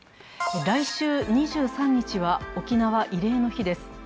来週２３日は沖縄慰霊の日です。